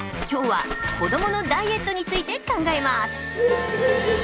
今日は子どものダイエットについて考えます。